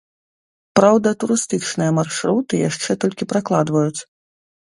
Праўда, турыстычныя маршруты яшчэ толькі пракладваюць.